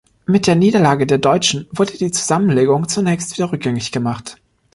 Mit der Niederlage der Deutschen wurde die Zusammenlegung zunächst wieder rückgängig gemacht.